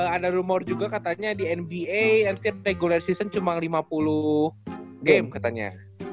ada rumor juga katanya di nba nanti regular season cuma lima puluh game katanya